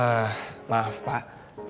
eh maaf pak